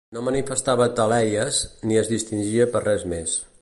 No manifestava taleies, ni es distingia per res més.